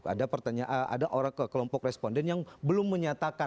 ada pertanyaan ada orang kelompok responden yang belum menyatakan